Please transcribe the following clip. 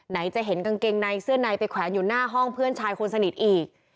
ไหนจะเห็นกางเกงในเสื้อในไปแขวนอยู่หน้าห้องเพื่อนชายคนสนิทอีก